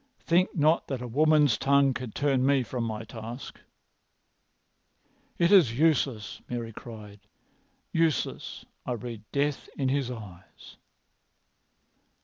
Think not that a woman's tongue can turn me from my task." "It is useless!" Mary cried. "Useless! I read death in his eyes."